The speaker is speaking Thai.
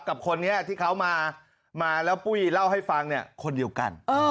กับคนนี้ที่เขามาแล้วปุ้ยเล่าให้ฟังเนี่ยคนเดียวกัน